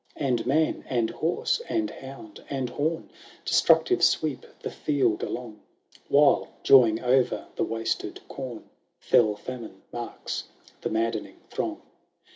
XXI And man, and horse, and hound, and horn, Destructive sweep the field along; "While, joying o'er the wasted corn, Fell Famine marks the maddening throng.